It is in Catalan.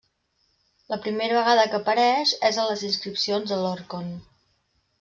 La primera vegada que apareix és a les inscripcions de l'Orkhon.